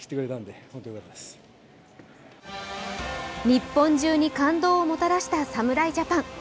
日本中に感動をもたらした侍ジャパン。